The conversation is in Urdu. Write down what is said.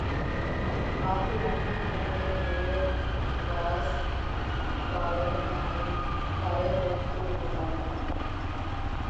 آپ تو جانتے ہیں کہ میرے باس فارغ وقت تو ہوتا نہیں